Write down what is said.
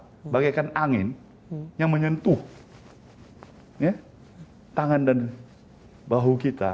sebagaikan angin yang menyentuh tangan dan bahu kita